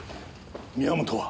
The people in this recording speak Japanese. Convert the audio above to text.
宮本は？